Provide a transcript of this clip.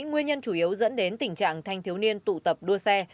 nguyên nhân chủ yếu dẫn đến tình trạng thanh thiếu niên tụ tập đua xe